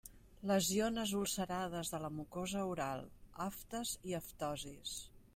Lesiones ulcerades de la mucosa oral: aftes i aftosis.